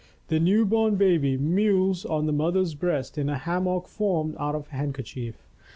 The new bom babe mewls on the mother's breast in a hammock formed out of a kerchief.